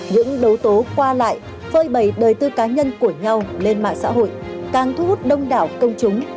những đấu tố qua lại phơi bầy đời tư cá nhân của nhau lên mạng xã hội càng thu hút đông đảo công chúng